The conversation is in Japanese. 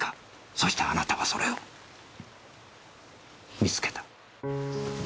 そしてあなたはそれを見つけた。